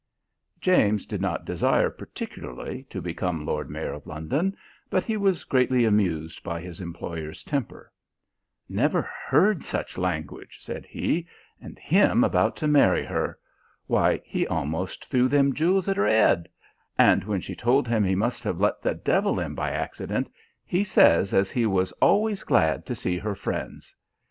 James did not desire particularly to become Lord Mayor of London, but he was greatly amused by his employer's temper. "Never heard such language," said he "and him about to marry her. Why, he almost threw them jewels at her 'ead; and when she told him he must have let the devil in by accident, he says as he was always glad to see her friends.